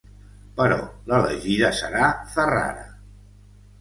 Però l'elegida serà Ferrara.